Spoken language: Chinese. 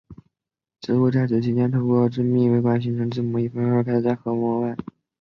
植物在此期间透过致密微管形成将质膜一分为二并开始在核膜外。